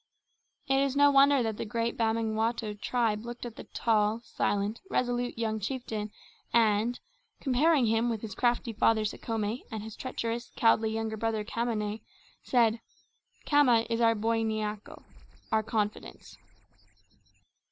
It was no wonder that the great Bamangwato tribe looked at the tall, silent, resolute young chieftain and, comparing him with his crafty father Sekhome and his treacherous, cowardly younger brother Khamane, said, "Khama is our boikanyo our confidence."